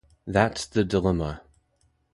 That's the dilemma.